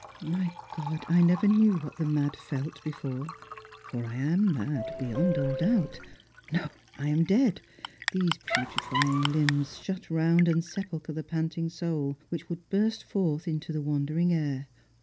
My God ! I never knew what the maJ felt Before ; for I am mad beyond all doubt! No, I am dead! These putrifying limbs Shut round and sepulchre the panting soul, Which would burst forth into the wandering air.